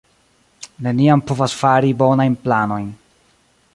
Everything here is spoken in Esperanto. Neniam povas fari bonajn planojn